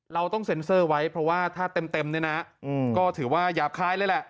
เราต้องเซ็นเซอร์ไว้เพราะว่าถ้าเต็มเนี่ยนะก็ถือว่าหยาบคายเลยแหละ